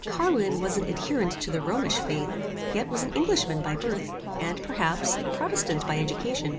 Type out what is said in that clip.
Carwin was an adherent to the Romish faith, yet was an Englishman by birth, and, perhaps, a protestant by education.